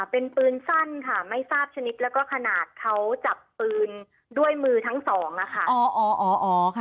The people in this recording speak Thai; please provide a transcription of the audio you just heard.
เป็นปืนสั้นค่ะไม่ทราบชนิดแล้วก็ขนาดเขาจับปืนด้วยมือทั้งสองนะคะ